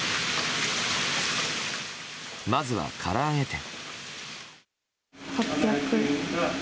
まずは、からあげ店。